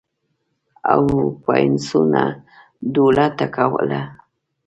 او پاينڅو نه دوړه ټکوهله